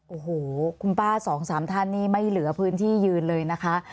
โอ้โหคุณป้าสองสามท่านนี่ไม่เหลือพื้นที่ยืนเลยนะคะ